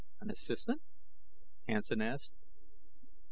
"An assistant?" Hansen asked.